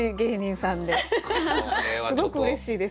すごくうれしいです。